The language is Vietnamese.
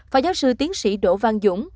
phó giáo sư tiến sĩ đỗ văn dũng